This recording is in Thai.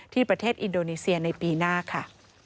ประเทศอินโดนีเซียในปีหน้าค่ะ